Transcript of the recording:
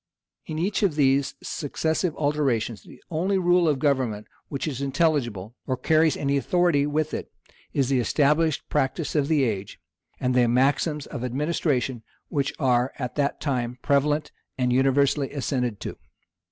In each of these successive alterations, the only rule of government which is intelligible, or carries any authority with it, is the established practice of the age, and the maxims of administration which are at that time prevalent and universally assented to.